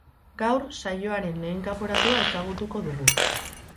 Gaur saioaren lehen kanporatua ezagutuko dugu.